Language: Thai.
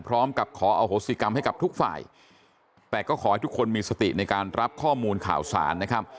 พร้อมกับขออโหสิกรรมให้กับทุกฝ่ายแต่ก็ขอให้ทุกคนมีสติในการรับข้อมูลข่าวสารนะครับ